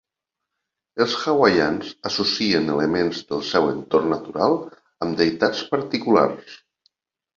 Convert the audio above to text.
Els hawaians associen elements del seu entorn natural amb deïtats particulars.